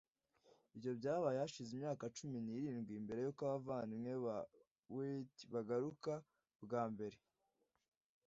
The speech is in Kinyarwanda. Ibyo byabaye hashize imyaka cumi nirindwi mbere yuko abavandimwe ba Wright baguruka bwa mbere